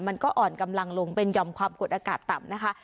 มันก็อ่อนกำลังลงเป็นยอมความกดอากาศต่ำนะคะ